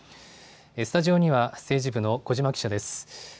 スタジオには政治部の小嶋記者です。